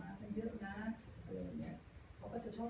และก็จะทำกันเป็นเรื่องของการตลาด